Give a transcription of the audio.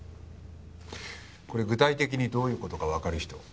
これ具体的にどういう事かわかる人？